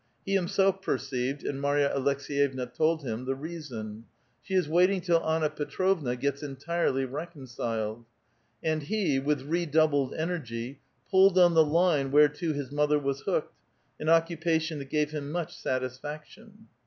He himself perceived — and Marya Aleks^j'evna told him — the reason. '^ She is waiting till Anna Petrovna gets entirely reconciled.'* And he, with redoubled energy, pulled on the line whereto his mother was hooked, — an occupation that gave him much satisfac tion.